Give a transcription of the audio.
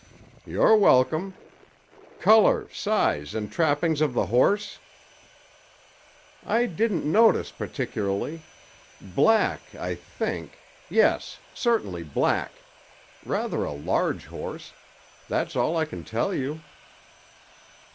"You're welcome. Color, size, and trappings of the horse?" "I didn't notice particularly. Black, I think; yes, certainly, black. Rather a large horse. That's all I can tell you."